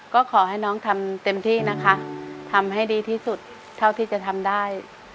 ก็ขอให้น้องทำเต็มที่นะคะทำให้ดีที่สุดเท่าที่จะทำได้